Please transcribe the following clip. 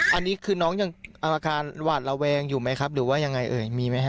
อันนี้คือน้องยังอาการหวาดระแวงอยู่ไหมครับหรือว่ายังไงเอ่ยมีไหมฮ